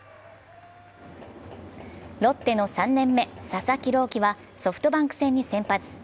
ロッテの３年目、佐々木朗希はソフトバンク戦に先発。